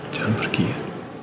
jangan pergi ya